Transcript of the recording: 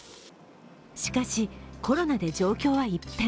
しかし、コロナで状況は一変。